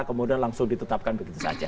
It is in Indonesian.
kemudian langsung ditetapkan begitu saja